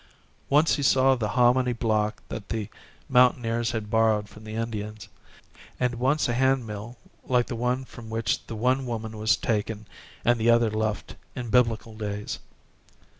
Once he saw the hominy block that the mountaineers had borrowed from the Indians, and once a handmill like the one from which the one woman was taken and the other left in biblical days.